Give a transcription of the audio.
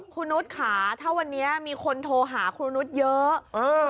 คุณฤทธิ์ค่ะถ้าวันนี้มีคนโทรหาคุณฤทธิ์เยอะอ่า